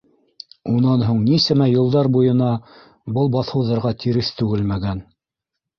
Унан һуң нисәмә йылдар буйына был баҫыуҙарға тиреҫ түгелмәгән.